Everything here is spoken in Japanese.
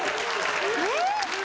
えっ！？